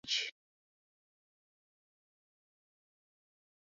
CherryPy wiki helps choosing a templating language.